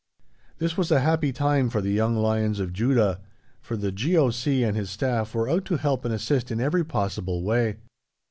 This was a happy time for the young lions of Judah, for the G.O.C. and his staff were out to help and assist in every possible way.